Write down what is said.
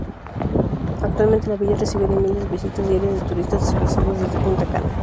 Actualmente la villa recibe miles de visitas diarias de turistas desplazados desde Punta Cana.